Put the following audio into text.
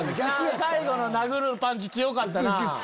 最後の殴るパンチ強かったな。